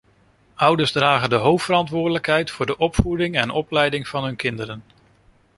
Ouders dragen de hoofdverantwoordelijkheid voor de opvoeding en opleiding van hun kinderen.